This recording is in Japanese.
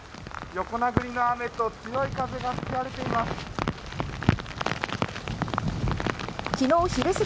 横殴りの雨と強い風が吹き荒れています。